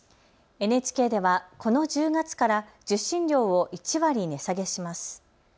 ＮＨＫではこの１０月から受信料を１割値下げします。